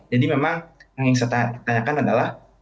yang saya tanyakan adalah